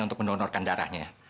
untuk mendonorkan darahnya